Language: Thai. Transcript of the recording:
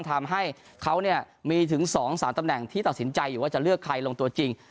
ทำให้เขามีถึง๒๓ตำแหน่งที่ตัดสินใจอยู่ว่าจะเลือกใครลงตัวจริง